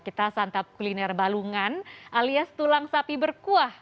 kita santap kuliner balungan alias tulang sapi berkuah